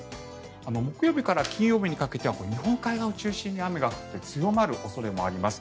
木曜日から金曜日にかけては日本海側を中心に雨が降って強まる恐れもあります。